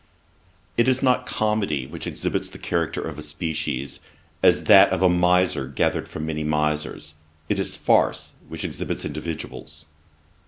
It is not comedy, which exhibits the character of a species, as that of a miser gathered from many misers: it is farce, which exhibits individuals.'